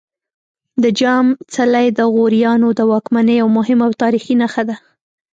د جام څلی د غوریانو د واکمنۍ یوه مهمه او تاریخي نښه ده